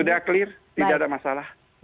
tidak clear tidak ada masalah